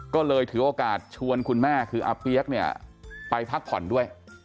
ก็เลยถือโอกาสชวนคุณแม่คืออาเปี๊ยกเนี่ยไปพักผ่อนด้วย